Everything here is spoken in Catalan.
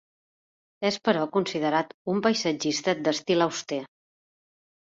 És però considerat un paisatgista d'estil auster.